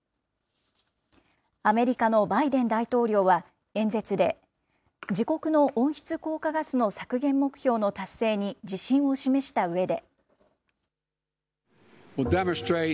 アメリカのバイデン大統領は演説で、自国の温室効果ガスの削減目標の達成に自信を示したうえで。